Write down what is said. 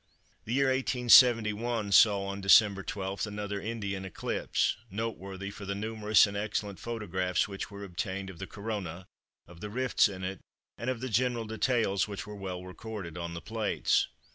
The year 1871 saw, on December 12, another Indian eclipse, noteworthy for the numerous and excellent photographs which were obtained of the Corona, of the rifts in it, and of the general details, which were well recorded on the plates.